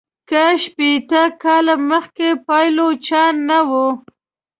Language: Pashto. که شپیته کاله مخکي پایلوچان نه وه.